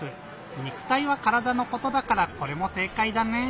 「にくたい」は「からだ」のことだからこれもせいかいだね。